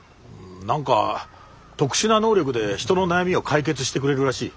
何か特殊な能力で人の悩みを解決してくれるらしい。